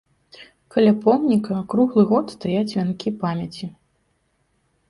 Каля помніка круглы год стаяць вянкі памяці.